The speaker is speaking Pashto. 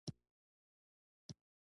د هند حکومت پر مزاج یې ښه نه لګېدل.